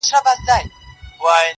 ستا هره گيله مي لا په ياد کي ده.